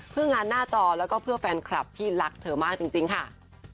เพื่องานหน้าจอแล้วก็เพื่อแฟนคลับที่รักเธอมากจริงค่ะ